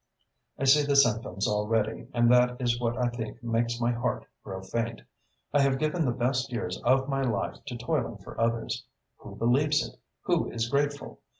I see the symptoms already and that is what I think makes my heart grow faint. I have given the best years of my life to toiling for others. Who believes it? Who is grateful?